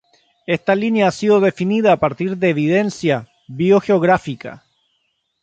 Esta línea ha sido definida a partir de evidencia biogeográfica.